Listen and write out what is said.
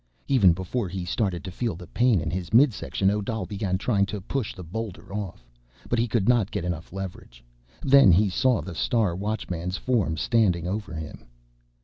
Even before he started to feel the pain in his midsection, Odal began trying to push the boulder off. But he could not get enough leverage. Then he saw the Star Watchman's form standing over him.